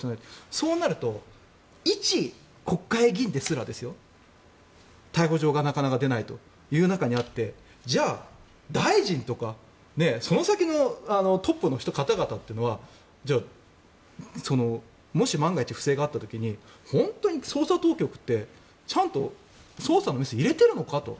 そうなると、一国会議員ですら逮捕状がなかなか出ないという中にあってじゃあ、大臣とかその先のトップの方々というのはじゃあ、もし万が一不正があった時に本当に捜査当局ってちゃんと捜査のメスを入れてるのかと。